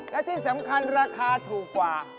และที่สำคัญราคาถูกกว่า